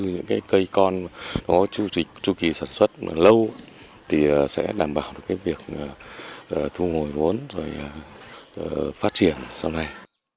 những cây con có tru kỳ sản xuất lâu thì sẽ đảm bảo được việc thu ngồi vốn rồi phát triển sau này